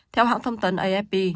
theo hãng thông tấn afp